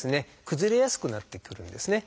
崩れやすくなってくるんですね。